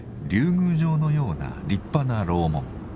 宮城のような立派な楼門。